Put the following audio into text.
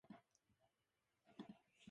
ださいたま